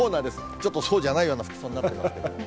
ちょっとそうじゃないような服装になっていますけれども。